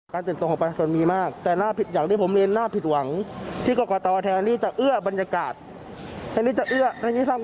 ก็เป็นข้อสะท้อนของเพนกวินนะครับ